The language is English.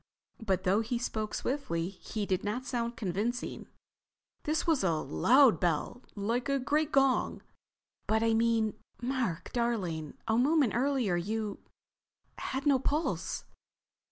But though he spoke swiftly he did not sound convincing. "This was a loud bell. Like a great gong." "But—I mean, Mark darling—a moment earlier you—had no pulse."